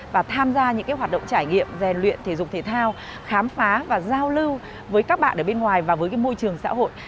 và tham gia những hoạt động trải nghiệm rèn luyện thể dục thể thao khám phá và giao lưu với các bạn ở bên ngoài và với môi trường xã hội